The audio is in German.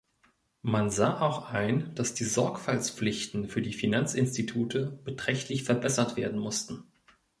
Man sah auch ein, dass die Sorgfaltspflichten für die Finanzinstitute beträchtlich verbessert werden mussten.